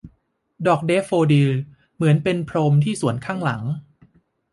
ดอกแดฟโฟดิลเหมือนเป็นพรมที่สวนข้างหลัง